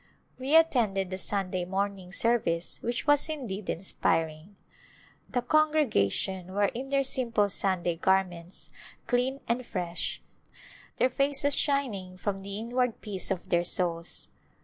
We attended the Sunday morning service which was indeed inspiring. The congrega tion were in their simple Sunday garments, clean and fresh, their faces shining from the inward peace of their souls.